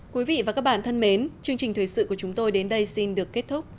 quý vị và các bạn thân mến chương trình thời sự của chúng tôi đến đây xin được kết thúc